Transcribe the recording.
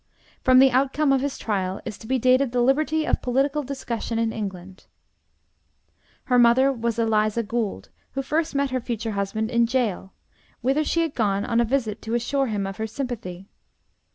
From the outcome of his trial is to be dated the liberty of political discussion in England. Her mother was Eliza Gould, who first met her future husband in jail, whither she had gone on a visit to assure him of her sympathy.